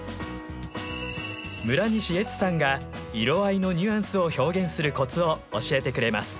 村西恵津さんが色合いのニュアンスを表現するコツを教えてくれます。